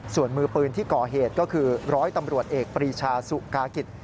ส่วนมือปืนที่ก่อเหตุก็คือร้อยตำรวจเอกปรีชาสุกากิจ